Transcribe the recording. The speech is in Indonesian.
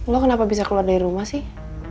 lo kenapa bisa keluar dari rumah sih